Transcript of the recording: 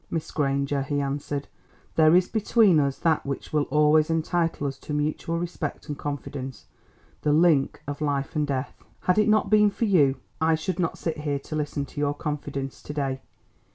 "Miss Granger," he answered, "there is between us that which will always entitle us to mutual respect and confidence—the link of life and death. Had it not been for you, I should not sit here to listen to your confidence to day.